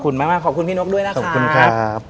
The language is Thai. โคตรทั้งค่ะขอบคุณพี่น้วคด้วยนะคะ